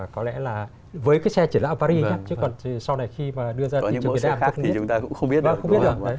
có lẽ là với cái xe chỉ là avaris chứ còn sau này khi mà đưa ra cho người việt nam thì chúng ta cũng không biết được